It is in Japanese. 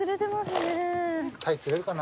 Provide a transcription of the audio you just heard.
タイ釣れるかな。